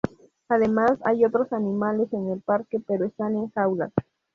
Además hay otros animales en el parque pero están en jaulas.